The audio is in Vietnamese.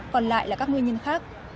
còn lại là các nguyên nhân khác